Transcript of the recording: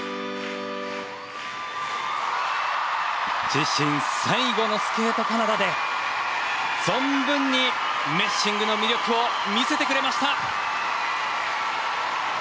自身最後のスケートカナダで存分にメッシングの魅力を見せてくれました。